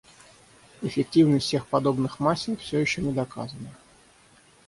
Эффективность всех подобных масел всё ещё не доказана.